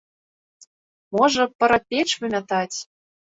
Можа, пара печ вымятаць.